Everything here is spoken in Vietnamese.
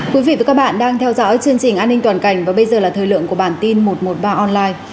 quý vị và các bạn đang theo dõi chương trình an ninh toàn cảnh và bây giờ là thời lượng của bản tin một trăm một mươi ba online